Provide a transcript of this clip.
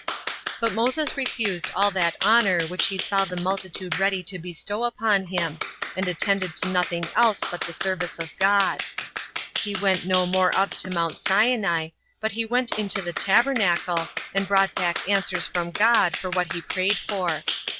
8. But Moses refused all that honor which he saw the multitude ready to bestow upon him, and attended to nothing else but the service of God. He went no more up to Mount Sinai; but he went into the tabernacle, and brought back answers from God for what he prayed for.